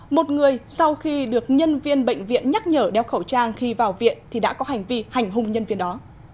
một người sau khi được nhân viên bệnh viện nhắc nhở đeo khẩu trang khi vào viện thì đã có hành vi hành hung nhân viên đó